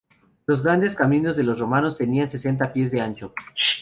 Los grandes caminos de los romanos tenían sesenta pies de ancho.